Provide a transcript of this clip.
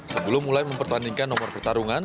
sebelum mulai mempertandingkan nomor pertarungan